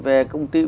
về công ty